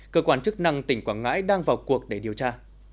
cơ quan chức năng tỉnh quảng ngãi đang vào cuộc để điều tra